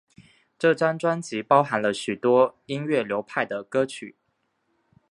这张专辑包含了许多音乐流派的歌曲。